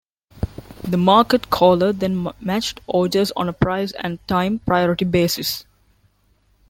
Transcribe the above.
The market caller then matched orders on a price and time priority basis.